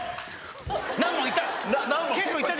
何問いった？